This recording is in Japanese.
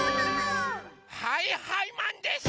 はいはいマンです！